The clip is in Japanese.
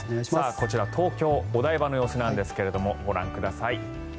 こちら東京・お台場の様子ですがご覧ください。